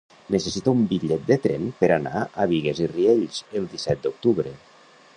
Necessito un bitllet de tren per anar a Bigues i Riells el disset d'octubre.